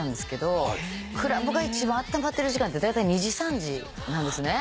クラブが一番あったまってる時間ってだいたい２時３時なんですね。